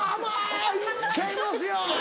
行っちゃいますよ！」。